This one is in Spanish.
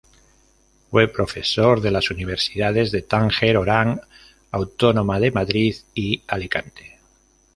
Fue profesor de las universidades de Tánger, Orán, Autónoma de Madrid, y Alicante.